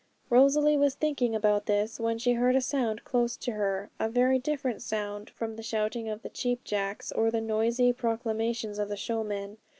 Rosalie was thinking about this when she heard a sound close to her, a very different sound from the shouting of the cheap jacks or the noisy proclamations of the showmen.